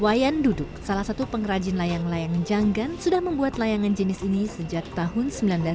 wayan duduk salah satu pengrajin layang layang janggan sudah membuat layangan jenis ini sejak tahun seribu sembilan ratus sembilan puluh